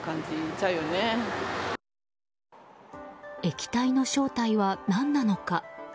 液体の正体は何なのか。